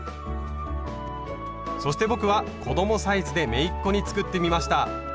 そして僕は子供サイズでめいっ子に作ってみました。